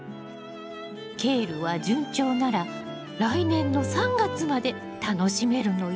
ケールは順調なら来年の３月まで楽しめるのよ。